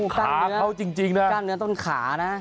ขาเขาจริงนะโอ้โฮขาเนื้อกล้ามเนื้อต้นขานะ